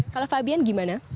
kalau fabian gimana